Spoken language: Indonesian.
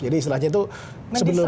jadi istilahnya itu sebelumnya